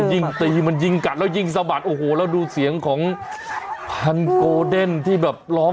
ยิ่งตีมันยิ่งกัดแล้วยิ่งสะบัดโอ้โหแล้วดูเสียงของพันโกเดนที่แบบร้อง